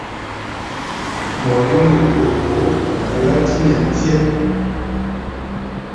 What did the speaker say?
Mɔ léŋ nɛ gboó gboó, wa látí nɛ ndíá.